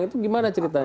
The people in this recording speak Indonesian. itu gimana ceritanya